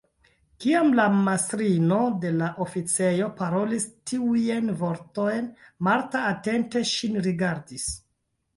Kiam la mastrino de la oficejo parolis tiujn vortojn, Marta atente ŝin rigardis.